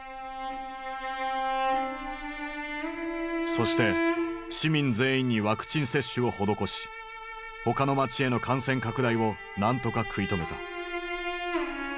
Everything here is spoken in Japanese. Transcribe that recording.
そして市民全員にワクチン接種を施し他の町への感染拡大を何とか食い止めた。